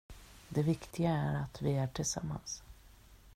Det viktiga är att vi är tillsammans.